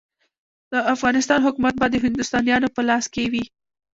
د افغانستان حکومت به د هندوستانیانو په لاس کې وي.